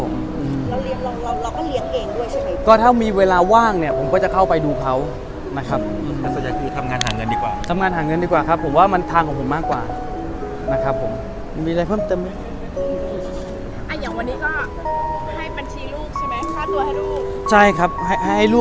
แล้วก็มีพี่เลี้ยงคนประมาณ๒โมงทุ่มถึงเช้านะครับแล้วก็มีพี่เลี้ยงคนประมาณ๒โมงทุ่มถึงเช้านะครับแล้วก็มีพี่เลี้ยงคนประมาณ๒โมงทุ่มถึงเช้านะครับแล้วก็มีพี่เลี้ยงคนประมาณ๒โมงทุ่มถึงเช้านะครับแล้วก็มีพี่เลี้ยงคนประมาณ๒โมงทุ่มถึงเช้านะครับแล้วก็มีพี่เลี้ยงคนประมาณ๒โมงทุ่มถึงเช้านะครั